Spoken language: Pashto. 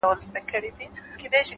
پوهه د راتلونکي دروازې پرانیزي’